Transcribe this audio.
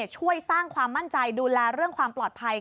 ช่วยสร้างความมั่นใจดูแลเรื่องความปลอดภัย